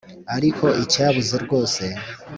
ariko icyabuze rwose